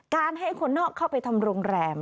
ให้คนนอกเข้าไปทำโรงแรม